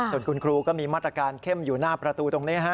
ส่วนคุณครูก็มีมาตรการเข้มอยู่หน้าประตูตรงนี้ฮะ